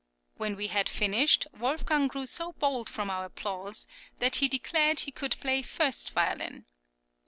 When we had finished, Wolfgang grew so bold from our applause that he declared he could play first violin.